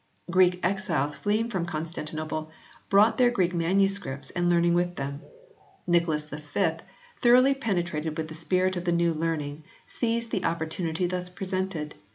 Greek exiles fleeing from Con stantinople brought their Greek MSS. and learning with them. Nicholas V, thoroughly penetrated with the spirit of the new learning, seized the opportunity thus presented.